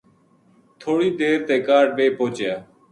تھوڑی دیر تے کاہڈ ویہ پوہچیا